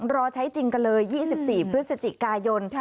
รอใช้จริงกันเลย๒๔พฤศจิกายน